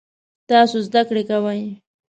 تاسو زده کړی کوئ؟